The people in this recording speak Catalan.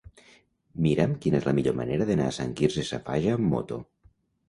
Mira'm quina és la millor manera d'anar a Sant Quirze Safaja amb moto.